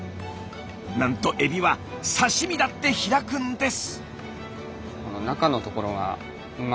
なんとエビは刺身だって開くんです。